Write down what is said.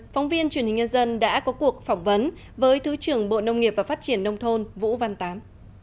phóng viên truyền hình nhân dân đã có cuộc phỏng vấn với thứ trưởng bộ nông nghiệp và phát triển nông thôn vũ văn tám